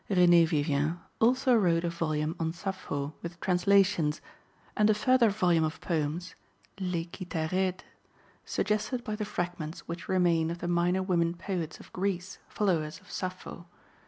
"Renée Vivien" also wrote a volume on Sappho with translations, and a further volume of poems, Les Kitharèdes, suggested by the fragments which remain of the minor women poets of Greece, followers of Sappho.